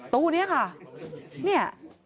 ตู้นี้ค่ะเนี่ย